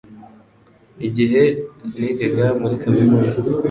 Igihe nigaga muri kaminuza